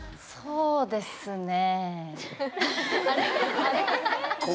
そうですね。